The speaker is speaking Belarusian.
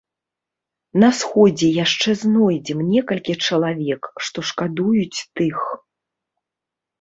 На сходзе яшчэ знойдзем некалькі чалавек, што шкадуюць тых.